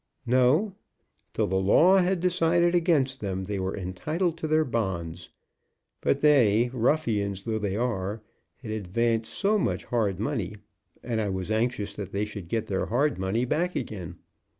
"No; till the law had decided against them, they were entitled to their bonds. But they, ruffians though they are, had advanced so much hard money, and I was anxious that they should get their hard money back again.